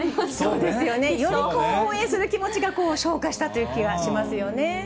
そうですよね。より応援する気持ちが昇華したという気がしますよね。